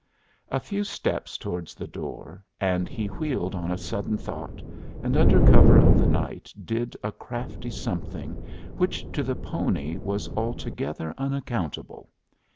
A few steps towards the door, and he wheeled on a sudden thought, and under cover of the night did a crafty something which to the pony was altogether unaccountable.